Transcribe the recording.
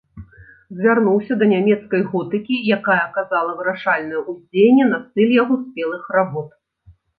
Звярнуўся да нямецкай готыкі, якая аказала вырашальнае ўздзеянне на стыль яго спелых работ.